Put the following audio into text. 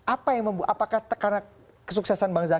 apa yang membuat apakah karena kesuksesan bang zaky